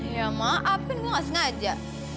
ya maafin gue gak sengaja